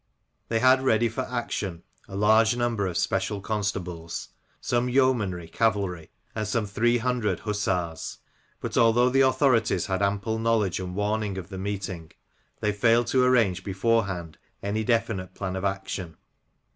They had ready for action a large number of special constables, some yeomanry cavalry, and some three hundred hussars ; but, although the authorities had ample knowledge and warning of the meeting, they failed to arrange beforehand any definite plan of action.